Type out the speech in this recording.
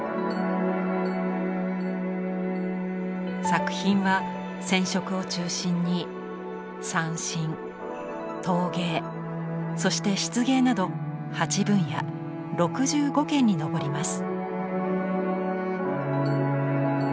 作品は染織を中心に三線陶芸そして漆芸など８分野６５件に上ります。